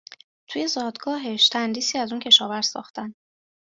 توی زادگاهش تندیسی از اون کشاورز ساختن